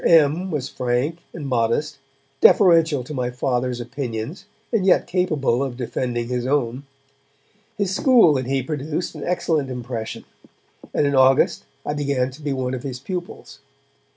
M. was frank and modest, deferential to my Father's opinions and yet capable of defending his own. His school and he produced an excellent impression, and in August I began to be one of his pupils.